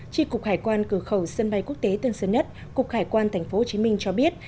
tri cục hải quan cửa khẩu sân bay quốc tế tân sơn nhất cục hải quan tp hcm cho biết